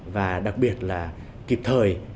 và đặc biệt là kịp thời